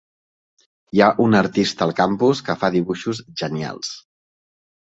Hi ha un artista al campus que fa dibuixos genials.